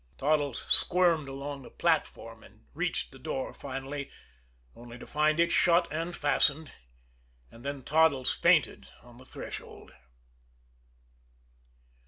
Toddles squirmed along the platform, and reached the door finally only to find it shut and fastened. And then Toddles fainted on the threshold.